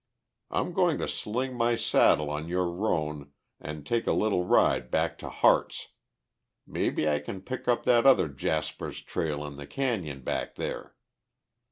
I'm going to sling my saddle on your roan and take a little ride back to Harte's. Maybe I can pick up that other jasper's trail in the cañon back there."